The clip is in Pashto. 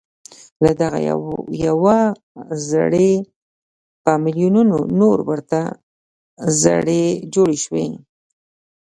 له دغه يوه زړي په ميليونونو نور ورته زړي جوړ شي.